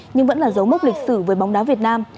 nhưng vẫn là dấu mốc lịch sử với bóng đá việt nam